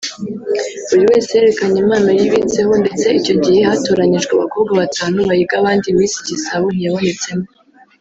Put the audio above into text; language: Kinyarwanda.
buri wese yerekana impano yibitseho ndetse icyo gihe hatoranyijwe abakobwa batanu bahiga abandi Miss igisabo ntiyabonetsemo